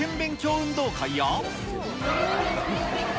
運動会や。